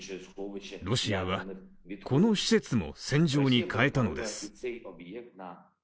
ロシアは、この施設も戦場に変えたのです。